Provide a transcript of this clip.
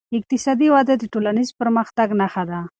اقتصادي وده د ټولنیز پرمختګ نښه ده.